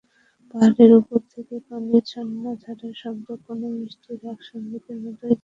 পাহাড়ের ওপর থেকে পানির ঝরনাধারার শব্দ কোনো মিষ্টি রাগ সংগীতের মতোই যেন।